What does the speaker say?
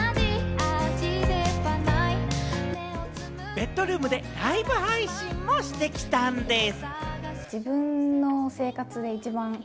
ベッドルームでライブ配信もしてきたんでぃす。